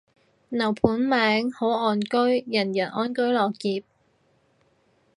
樓盤名，好岸居，人人安居樂業